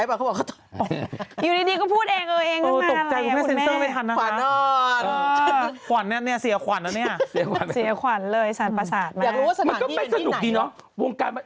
อย่างรู้ว่าสถานที่เป็นที่ไหน